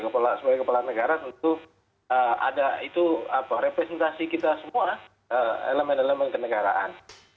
sebagai kepala negara tentu ada itu representasi kita semua elemen elemen kenegaraan